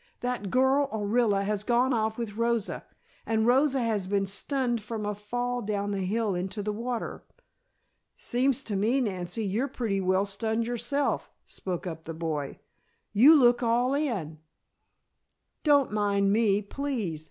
"That girl, Orilla, has gone off with Rosa. And Rosa had been stunned from a fall down the hill into the water." "Seems to me, Nancy, you're pretty well stunned yourself," spoke up the boy. "You look all in." "Don't mind me, please!